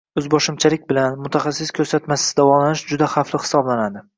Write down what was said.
O‘zboshimchalik bilan, mutaxassis ko‘rsatmasisiz davolanish juda xavfli hisoblanadi.